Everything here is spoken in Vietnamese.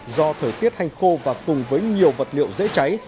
do thời tiết hành khô và cùng với nhiều vật liệu dễ cháy